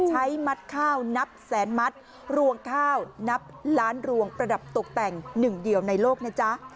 ใช้มัดข้าวนับแสนมัดรวงข้าวนับล้านรวงประดับตกแต่งหนึ่งเดียวในโลกนะจ๊ะ